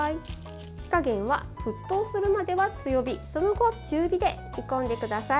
火加減は沸騰するまでは強火その後、中火で煮込んでください。